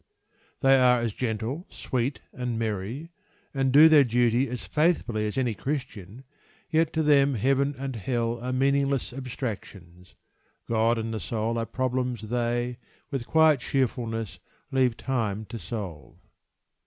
They are as gentle, sweet, and merry, and do their duty as faithfully as any Christian, yet to them Heaven and Hell are meaningless abstractions; God and the soul are problems they, with quiet cheerfulness, leave time to solve.